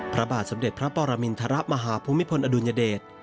พระบาทสมเด็จพระปรมินทรมาฮภูมิพลอดุลยเดช